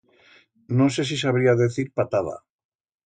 No sé si sabría decir patada.